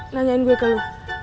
nanyain gue ke lu